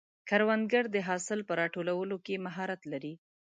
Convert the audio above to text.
کروندګر د حاصل په راټولولو کې مهارت لري